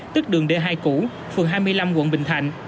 tức đường d hai cũ phường hai mươi năm quận bình thạnh